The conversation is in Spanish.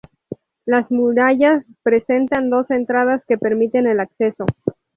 Las murallas presentan dos entradas que permiten el acceso.